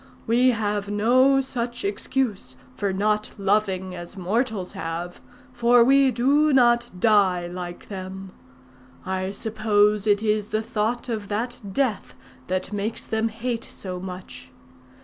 We have no such excuse for not loving as mortals have, for we do not die like them. I suppose it is the thought of that death that makes them hate so much.